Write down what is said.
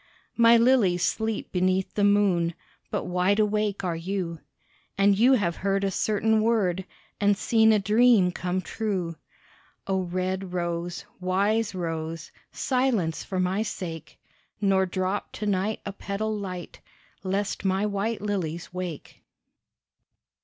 My lilies sleep beneath the moon, But wide awake are you, And you have heard a certain word And seen a dream come true. Oh, red rose, wise rose, Silence for my sake, Nor drop to night a petal light Lest my white lilies wake.